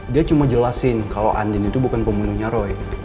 dia cuma jelasin kalo andien itu bukan pembunuhnya roy